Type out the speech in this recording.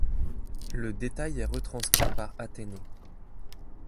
Le détail est retranscrit par Athénée.